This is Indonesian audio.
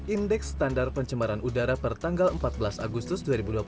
indeks standar pencemaran udara per tanggal empat belas agustus dua ribu dua puluh satu